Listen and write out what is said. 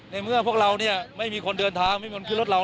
ในเมื่อพวกเราเนี่ยไม่มีคนเดินทางไม่มีคนขึ้นรถเรา